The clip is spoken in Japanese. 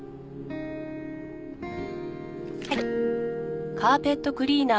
はい。